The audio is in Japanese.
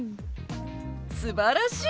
すばらしい！